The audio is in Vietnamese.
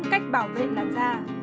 cách bảo vệ làn da